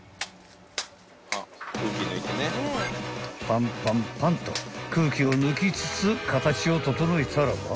［パンパンパンと空気を抜きつつ形を整えたらば］